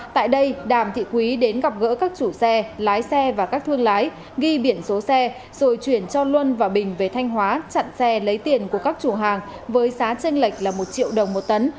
tại đây đàm thị quý đến gặp gỡ các chủ xe lái xe và các thương lái ghi biển số xe rồi chuyển cho luân và bình về thanh hóa chặn xe lấy tiền của các chủ hàng với giá tranh lệch là một triệu đồng một tấn